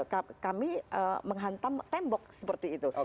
dan kami menghantam tembok seperti itu